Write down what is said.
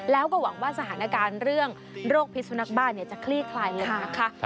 แล้วก็หวังว่าสถานการณ์เรื่องโรคพิษสุนักบ้าจะคลี่คลายลงนะคะ